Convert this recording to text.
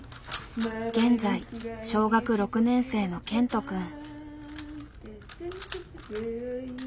現在小学６年生のケントくん。